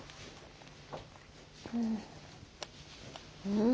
うん。